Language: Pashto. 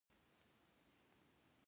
د احساساتو بیان په مصنوعي لغتونو نه کیږي.